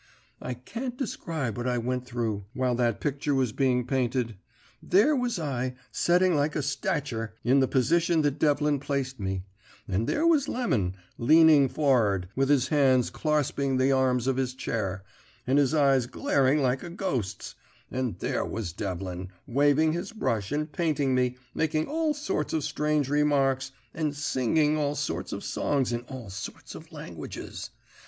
"I can't describe what I went through while that picture was being painted. There was I, setting like a stature in the position that Devlin placed me; and there was Lemon, leaning for'ard, with his hands clarsping the arms of his chair, and his eyes glaring like a ghost's; and there was Devlin, waving his brush and painting me, making all sorts of strange remarks, and singing all sorts of songs in all sorts of languages.